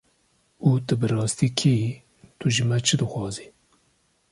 Û tu bi rastî kî yî, tu ji me çi dixwazî?